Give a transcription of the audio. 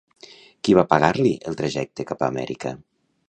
Qui va pagar-li el trajecte cap a Amèrica?